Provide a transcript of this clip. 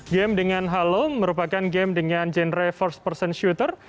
game dengan halo merupakan game dengan genre first person shooter